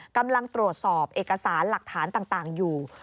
กำลังตรวจสอบเอกสารหลักฐานต่างอยู่